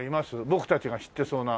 僕たちが知ってそうな。